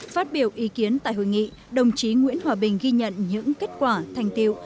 phát biểu ý kiến tại hội nghị đồng chí nguyễn hòa bình ghi nhận những kết quả thành tiệu